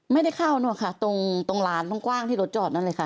ไม่ได้เข้าหรอกค่ะตรงร้านตรงกว้างที่รถจอดนั่นเลยค่ะ